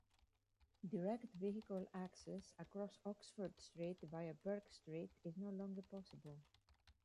Direct vehicle access across Oxford Street via Bourke Street is no longer possible.